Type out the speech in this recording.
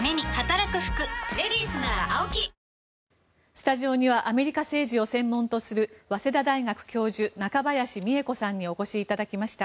スタジオにはアメリカ政治を専門とする早稲田大学教授中林美恵子さんにお越しいただきました。